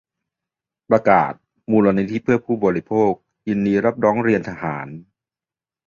ประกาศ มูลนิธิเพื่อผู้บริโภค ยินดีรับร้องเรียนทหาร